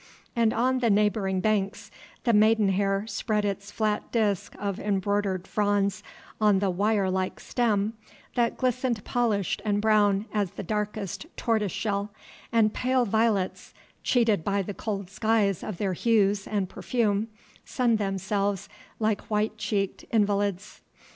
And on the neighboring banks the maiden hair spread its flat disk of embroidered fronds on the wire like stem that glistened polished and brown as the darkest tortoise shell, and pale violets, cheated by the cold skies of their hues and perfume, sunned themselves like white cheeked invalids.